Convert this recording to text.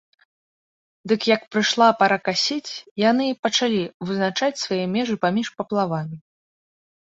Дык як прыйшла пара касіць, яны і пачалі вызначаць свае межы паміж паплавамі.